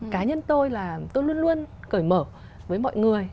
cá nhân tôi là tôi luôn luôn cởi mở với mọi người